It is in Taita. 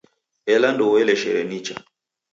Ela ndoueleshere nicha.